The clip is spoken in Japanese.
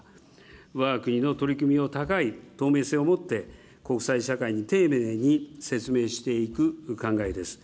わが国の取り組みを高い透明性を持って、国際社会に丁寧に説明していく考えです。